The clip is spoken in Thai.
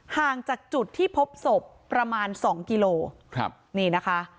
ห่างจากจุดที่พบศพประมาณสองกิโลครับนี่นะคะ